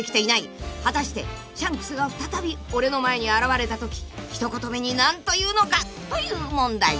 ［果たしてシャンクスが再び俺の前に現れたとき一言目に何と言うのか？という問題］